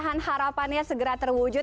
semoga harapannya segera terwujud